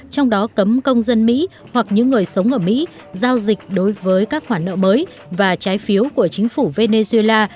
trong đó cấm công dân mỹ hoặc những người sống ở mỹ giao dịch đối với các khoản nợ mới và trái phiếu của chính phủ venezuela